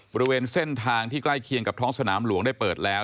บริเวณเส้นทางที่ใกล้เคียงกับท้องสนามหลวงได้เปิดแล้ว